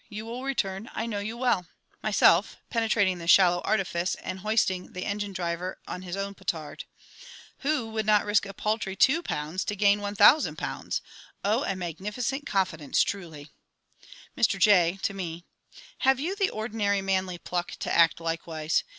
You will return, I know you well! Myself (penetrating this shallow artifice, and hoisting the engine driver on his own petard). Who would not risk a paltry £2 to gain £1000? Oh, a magnificent confidence, truly! Mr J. (to me). Have you the ordinary manly pluck to act likewise?